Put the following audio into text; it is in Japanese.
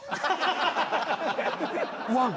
ワン。